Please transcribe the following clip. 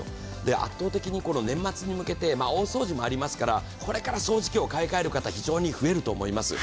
圧倒的に年末に向けて、大掃除もありますから、これから掃除機を買い換える方、非常に増えると思います。